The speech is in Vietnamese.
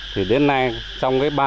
thì đến nay trong ba mươi tám mươi hai